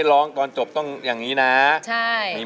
เมื่อสักครู่นี้ถูกต้องทั้งหมด